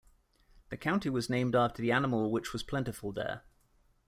The county was named after the animal which was plentiful there.